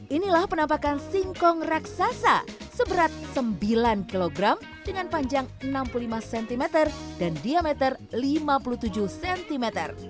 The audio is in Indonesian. inilah penampakan singkong raksasa seberat sembilan kg dengan panjang enam puluh lima cm dan diameter lima puluh tujuh cm